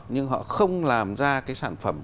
nhưng họ không làm ra cái sản phẩm